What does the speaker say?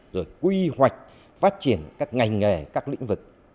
rồi quy hoạch phát triển các ngành nghề các lĩnh vực